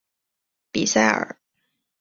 比塞尔。